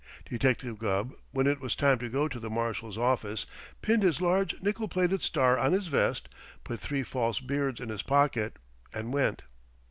Detective Gubb, when it was time to go to the Marshal's office, pinned his large nickel plated star on his vest, put three false beards in his pocket, and went.